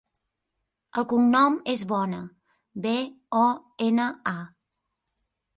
El cognom és Bona: be, o, ena, a.